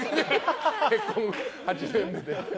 結婚８年目で。